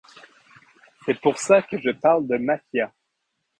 C'est pour ça que je parle de mafia.